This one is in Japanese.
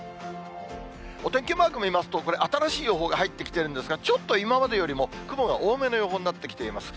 お天気マーク見ますと、これ、新しい予報が入ってきてるんですが、ちょっと今までよりも雲が多めの予報になってきています。